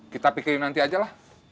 kita pikirin nanti aja lah